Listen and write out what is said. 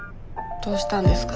どうしたんですか？